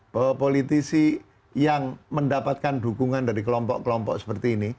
bahwa politisi yang mendapatkan dukungan dari kelompok kelompok seperti ini